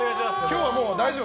今日はもう大丈夫！